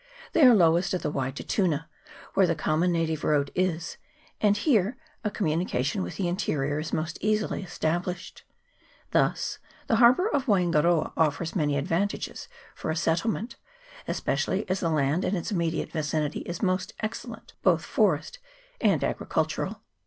They are lowest at the Wai te Tuna, where the common na tive road is, and here a communication with the interior is most easily established. Thus the har bour of Waingaroa offers many advantages for a settlement, especially as the land in its immediate vicinity is most excellent, both forest and agricultu ral.